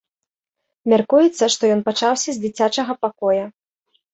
Мяркуецца, што ён пачаўся з дзіцячага пакоя.